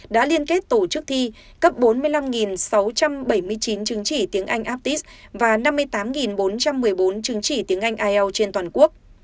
đã liên kết tổ chức thi cấp bốn mươi năm sáu trăm bảy mươi chín chứng chỉ tiếng anh aptis và năm mươi tám bốn trăm một mươi bốn chứng chỉ tiếng anh ielt trên toàn quốc